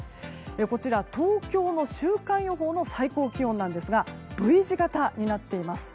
こちら、東京の週間予報の最高気温なんですがＶ字形になっています。